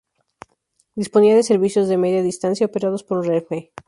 Disponía de servicios de media distancia operados por Renfe.